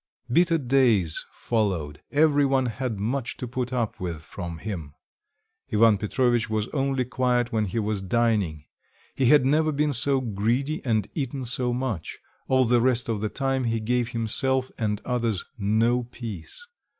Bitter days followed, every one had much to put up with from him. Ivan Petrovitch was only quiet when he was dining; he had never been so greedy and eaten so much; all the rest of the time he gave himself and others no peace.